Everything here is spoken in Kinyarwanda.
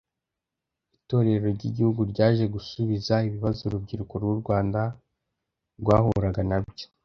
Itorero ry’Igihugu ryaje gusubiza ibibazo urubyiruko rw’u Rwanda rwahuraga na byo